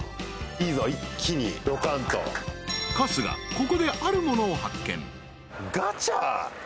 ここであるものを発見］